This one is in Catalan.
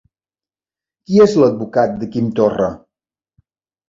Qui és l'advocat de Quim Torra?